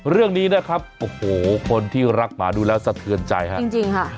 เรื่องนี้นะครับโอ้โหคนที่รักหมาดูแล้วสะเทือนใจฮะจริงค่ะ